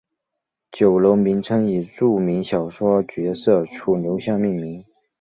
酒楼名称以著名小说角色楚留香命名。